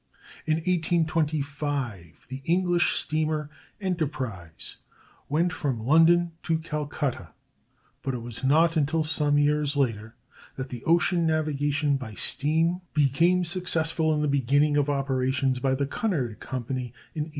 In 1825 the English steamer Enterprise went from London to Calcutta; but it was not until some years later that ocean navigation by steam became successful in the beginning of operations by the Cunard Company in 1833.